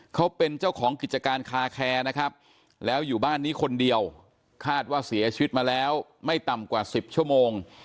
เขาเป็นเจ้าของกิจการคาแคร์นะครับแล้วอยู่บ้านนี้คนเดียวคาดว่าเสียชีวิตมาแล้วไม่ต่ำกว่า๑๐ชั่วโมง